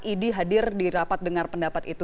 idi hadir di rapat dengar pendapat itu